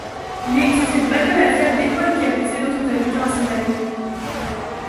Mais, c’est cette banale affaire d’école qui a poussé d’autres habitants à s’en aller.